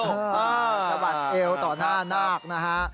สะบัดเอวต่อหน้านาคนะฮะ